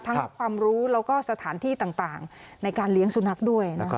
ทั้งความรู้แล้วก็สถานที่ต่างในการเลี้ยงสุนัขด้วยนะครับ